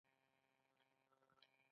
فابریکه د فولادو برخې تولیدوي.